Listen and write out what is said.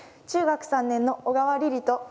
中学３年の小川凜々と。